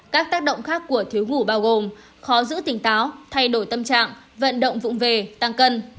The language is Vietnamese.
các tác động khác của thiếu ngủ bao gồm khó giữ tỉnh táo thay đổi tâm trạng vận động vụng về tăng cân